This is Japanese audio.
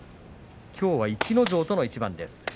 きょうは逸ノ城との一番です。